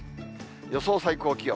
予想最高気温。